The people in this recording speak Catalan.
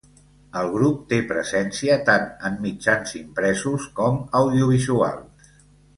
El grup té presència tant en mitjans impresos com audiovisuals.